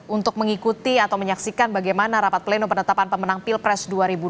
untuk mengikuti atau menyaksikan bagaimana rapat pleno penetapan pemenang pilpres dua ribu dua puluh